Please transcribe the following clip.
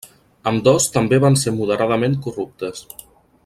Ambdós també van ser moderadament corruptes.